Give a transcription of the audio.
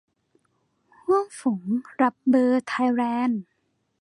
ฮั้วฟง รับเบอร์ ไทยแลนด์